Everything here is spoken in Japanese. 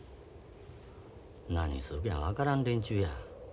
何するか分からん連中や。